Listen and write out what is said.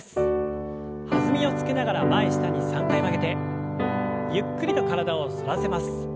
弾みをつけながら前下に３回曲げてゆっくりと体を反らせます。